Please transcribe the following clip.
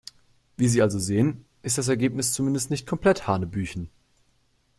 Wie Sie also sehen, ist das Ergebnis zumindest nicht komplett hanebüchen.